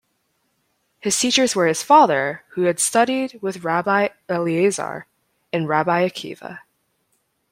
His teachers were his father, who had studied with Rabbi Eliezer and Rabbi Akiva.